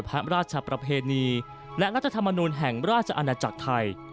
พระราชประเพณีและรัฐธรรมนูลแห่งราชอาณาจักรไทย